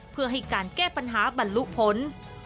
เพื่อให้การแก้ปัญหาบรรลุผล